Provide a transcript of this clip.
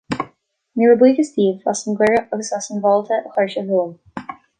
Míle buíochas daoibh as an gcuireadh agus as an bhfáilte a chuir sibh romham.